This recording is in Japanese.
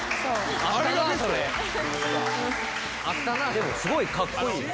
でもすごいカッコいい。